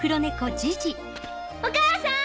お母さん！